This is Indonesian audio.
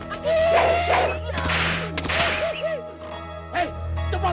apa yang kasih ud inscription